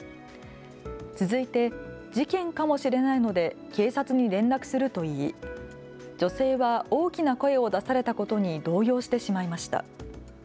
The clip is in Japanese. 続いて、事件かもしれないので警察に連絡すると言い女性は大きな声を出されたことに動揺してしまいました。